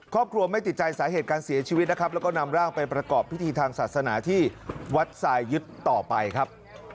ครอบครัวไม่ติดใจสาเหตุการเสียชีวิตนะครับแล้วก็นำร่างไปประกอบพิธีทางศาสนาที่วัดสายยึดต่อไปครับ